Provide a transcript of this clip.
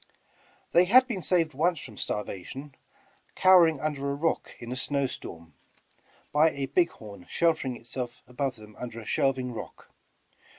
They had been saved once from starvation, cowering under a rock in a snow storm, by a big horn sheltering itself above them under a shelving rock.